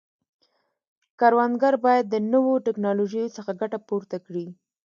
کروندګر باید د نوو ټکنالوژیو څخه ګټه پورته کړي.